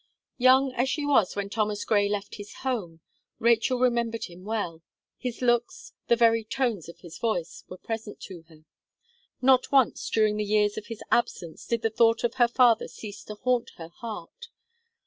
Young as she was when Thomas Gray left his home, Rachel remembered him well. His looks, the very tones of his voice, were present to her. Not once, during the years of his absence, did the thought of her father cease to haunt her heart.